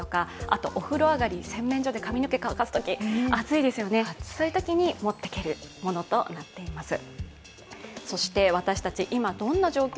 あと、お風呂上がり、洗面所で髪の毛を乾かすとき、暑いですよね、そういうときに持っていけるものとなっています。